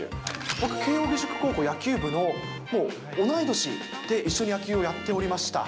僕、慶應義塾高校野球部の同い年で一緒に野球をやっておりました。